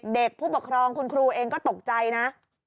ผู้ปกครองคุณครูเองก็ตกใจนะ